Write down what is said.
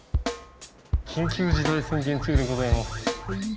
緊急事態宣言中でございます。